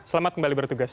selamat kembali bertugas